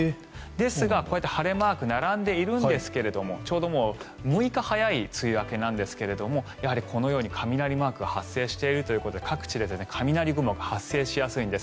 ですが、晴れマーク並んでいるんですがちょうど６日早い梅雨明けなんですがこのように雷マークが発生しているということで各地で雷雲が発生しやすいんです。